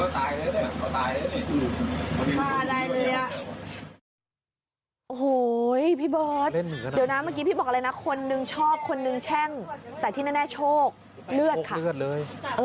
แต่ที่แน่โชคเลือดค่ะ